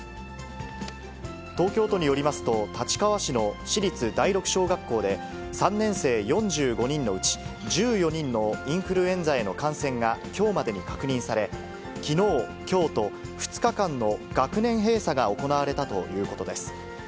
東京都によりますと、立川市の市立第六小学校で、３年生４５人のうち１４人のインフルエンザへの感染がきょうまでに確認され、きのう、きょうと２日間の学年閉鎖が行われたということです。